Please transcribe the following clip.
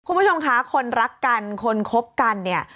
คุณผู้ชมคะคนรักกันคนคบกันเนี่ย